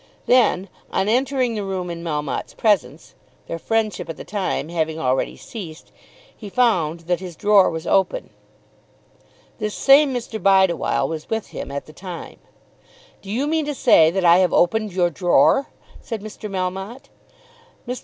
Then, on entering the room in Melmotte's presence, their friendship at the time having already ceased, he found that his drawer was open. This same Mr. Bideawhile was with him at the time. "Do you mean to say that I have opened your drawer?" said Mr. Melmotte. Mr.